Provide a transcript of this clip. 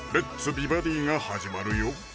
美バディ」が始まるよ